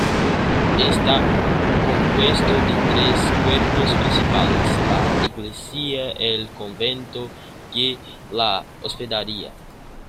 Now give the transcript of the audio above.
Está compuesto de tres cuerpos principales: la iglesia, el convento y la hospedería.